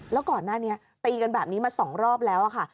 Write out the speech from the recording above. แล้วก่อนหน้านี้ตีกันแบบนี้มา๒รอบแล้วค่ะ